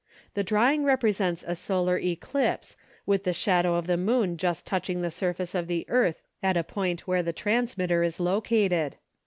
The drawing represents a solar eclipse with the shadow of the moon just touching the surface of the earth at a point where the transmitter is located.